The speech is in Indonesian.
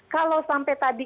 kalau sampai tadi